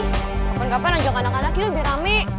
kapan kapan lonjong anak anak yuk biar rame